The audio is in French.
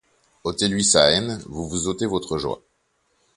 Ôtez-lui sa haine, vous vous ôtez votre joie.